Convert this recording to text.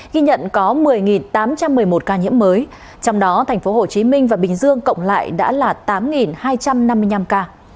ghi nhận có một mươi tám trăm một mươi một ca nhiễm mới trong đó thành phố hồ chí minh và bình dương cộng lại đã là tám hai trăm năm mươi năm ca